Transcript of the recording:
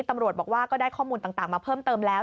ตำรวจบอกว่าก็ได้ข้อมูลต่างมาเพิ่มเติมแล้ว